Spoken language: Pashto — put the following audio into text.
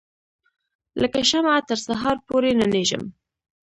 لکه شمعه تر سهار پوري ننیږم